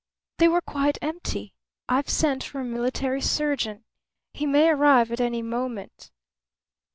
"They were quite empty. I've sent for a military surgeon. He may arrive at any moment."